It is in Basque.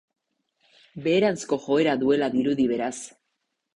Beheranzko joera duela dirudi, beraz.